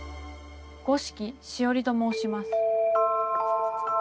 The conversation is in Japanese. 五色しおりと申します。